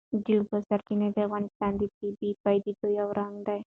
د اوبو سرچینې د افغانستان د طبیعي پدیدو یو رنګ دی.